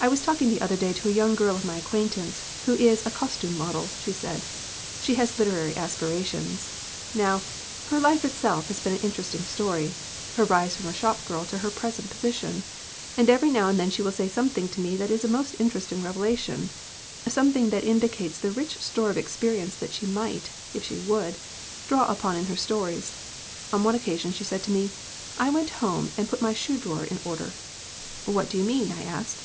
"I was talking the other day to a young girl of my acquaintance who is a costume model," she said. "She has literary aspirations. Now, her life itself has been an interesting story her rise from a shopgirl to her present position. And every now and then she will say something to me that is a most interesting revelation something that indicates the rich store of experience that she might, if she would, draw upon in her stories. On one occasion she said to me, 'I went home and put my shoe drawer in order.' "'What do you mean?* I asked.